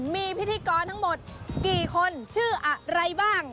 มีพิธีกรทั้งหมดกี่คนชื่ออะไรบ้าง